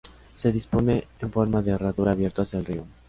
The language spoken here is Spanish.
Se dispone en forma de herradura abierto hacia el río.